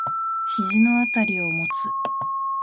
肘のあたりを持つ。